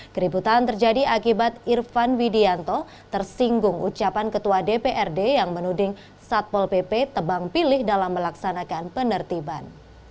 keributan terjadi akibat irfan widianto tersinggung ucapan ketua dprd yang menuding satpol pp tebang pilih dalam melaksanakan penertiban